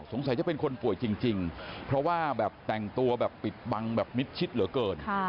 สงสัยจะเป็นคนป่วยจริงเพราะว่าแบบแต่งตัวแบบปิดบังแบบมิดชิดเหลือเกิน